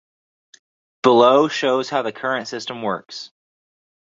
Below shows how the current system works.